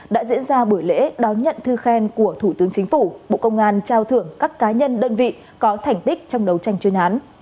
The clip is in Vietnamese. đã diễn ra buổi lễ đón nhận thư khen của thủ tướng chính phủ bộ công an trao thưởng các cá nhân đơn vị có thành tích trong đấu tranh chuyên án